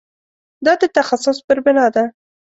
دا د تخصص پر بنا ده.